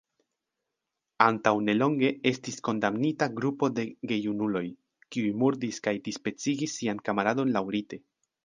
Antaŭ nelonge estis kondamnita grupo da gejunuloj, kiuj murdis kaj dispecigis sian kamaradon laŭrite.